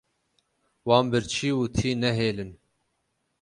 Wan birçî û tî nehêlin.